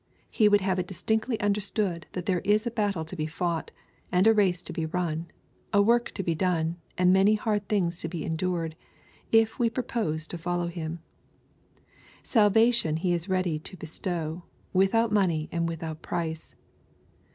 He would have it dis tinctly understood that there is a battle to be fought, and a race to be run, — a work to be done, and many hard things to be endured, — ^if we propose to follow Him, Salvation He is ready to bestow, without money and without price.